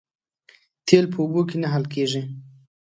تیل په اوبو کې نه حل کېږي